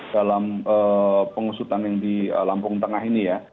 dalam pengusutan yang di lampung tengah ini ya